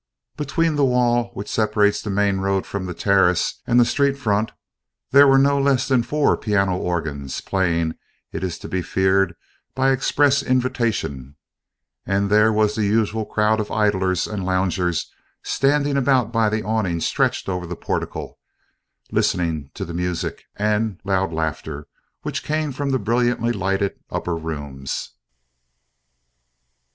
Between the wall which separates the main road from the terrace and the street front there were no less than four piano organs, playing, it is to be feared, by express invitation; and there was the usual crowd of idlers and loungers standing about by the awning stretched over the portico, listening to the music and loud laughter which came from the brilliantly lighted upper rooms.